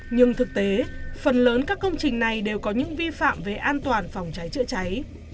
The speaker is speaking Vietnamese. nhưng thực tế phần lớn các công trình này đều có những vi phạm về an toàn phòng cháy chữa cháy